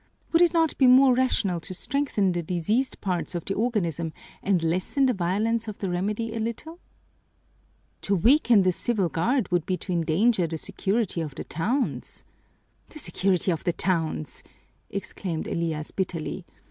Would it not be more rational to strengthen the diseased parts of the organism and lessen the violence of the remedy a little?" "To weaken the Civil Guard would be to endanger the security of the towns." "The security of the towns!" exclaimed Elias bitterly.